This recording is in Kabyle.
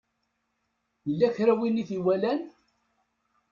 Yella kra n win i t-iwalan?